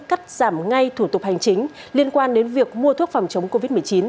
cắt giảm ngay thủ tục hành chính liên quan đến việc mua thuốc phòng chống covid một mươi chín